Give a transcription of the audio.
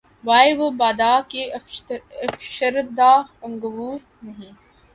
وائے! وہ بادہ کہ‘ افشردۂ انگور نہیں